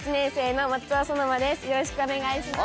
よろしくお願いします。